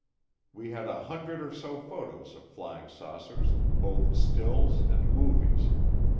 We had a hundred or so photos of flying saucers, both stills and movies.